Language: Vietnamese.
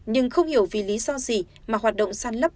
nhưng không hiểu vì lý do gì mà hoạt động săn lấp